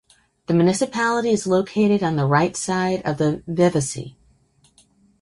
The municipality is located on the right side of the Veveyse.